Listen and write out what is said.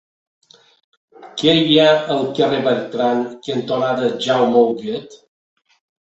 Què hi ha al carrer Bertran cantonada Jaume Huguet?